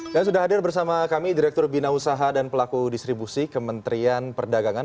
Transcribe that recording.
dan sudah hadir bersama kami direktur bina usaha dan pelaku distribusi kementerian perdagangan